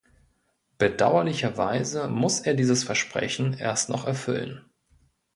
Bedauerlicherweise muss er dieses Versprechen erst noch erfüllen.